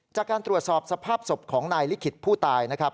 จากการตรวจสอบสภาพศพของนายลิขิตผู้ตายนะครับ